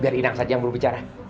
biar inang saja yang berbicara